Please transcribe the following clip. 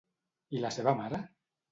I la seva mare?